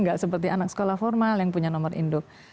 nggak seperti anak sekolah formal yang punya nomor induk